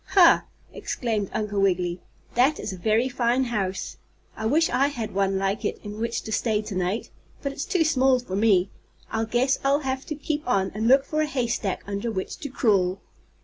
"Ha!" exclaimed Uncle Wiggily. "That is a very fine house. I wish I had one like it in which to stay to night. But it's too small for me. I guess I'll have to keep on and look for a haystack under which to crawl."